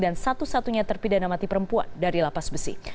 dan satu satunya terpidana mati perempuan dari lapas besi